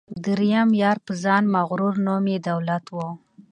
دریم یار په ځان مغرور نوم یې دولت وو